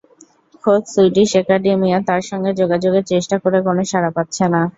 খোদ সুইডিশ একাডেমিও তাঁর সঙ্গে যোগাযোগের চেষ্টা করে কোনো সাড়া পাচ্ছে না।